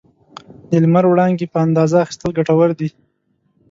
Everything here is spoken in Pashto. د لمر وړانګې په اندازه اخیستل ګټور دي.